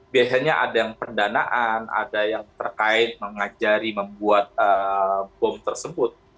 biasanya ada yang pendanaan ada yang terkait mengajari membuat bom tersebut